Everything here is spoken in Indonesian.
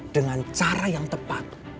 dengan cara yang tepat